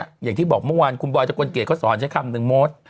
อย่างที่บอกเมื่อวานคุณบอยทะกลเกียจเขาสอนใช้คำนึงมด